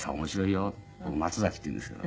僕松崎っていうんですけど。